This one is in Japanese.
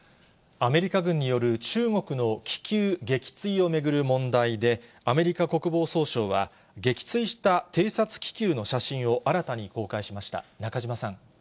アメリカ軍による中国の気球撃墜を巡る問題で、アメリカ国防総省は、撃墜した偵察気球の写真を新たに公開しました。